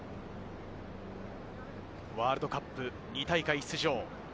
ワールドカップ２大会出場。